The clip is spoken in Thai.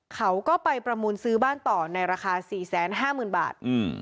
เขาก็ไปประมูลซื้อบ้านต่อในราคา๔๕๐๐๐บาท